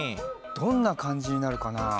どんなかんじになるかなあ？